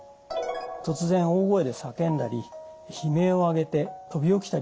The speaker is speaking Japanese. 突然大声で叫んだり悲鳴を上げて飛び起きたりします。